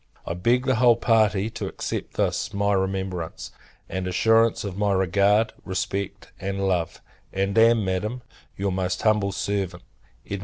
I beg the whole party to accept this my remembrance; and assurance of my regard, respect, and love: and am, Madam, your most humble servant, EDM.